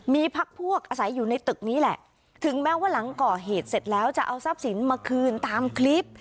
มีพักพวกอาศัยอยู่ในตึกนี้แหละถึงแม้ว่าหลังก่อเหตุเสร็จแล้วจะเอาทรัพย์สินมาคืนตามคลิป